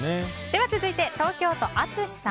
では続いて東京都の方。